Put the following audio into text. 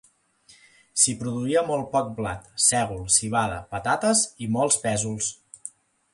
S'hi produïa molt poc blat, sègol, civada, patates i molts pèsols.